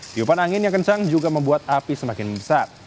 tiupan angin yang kencang juga membuat api semakin membesar